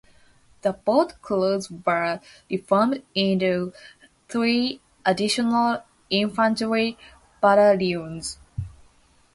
The boat crews were re-formed into three additional infantry battalions.